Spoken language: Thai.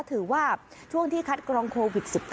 ถือว่าช่วงที่คัดกรองโควิด๑๙